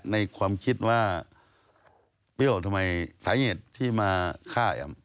ในความคิดว่าไม่รู้ทำไมสายเห็ดที่มาฆ่าแอ๋ม